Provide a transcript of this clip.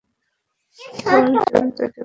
বাহনজন্তু একেবারেই স্বল্প।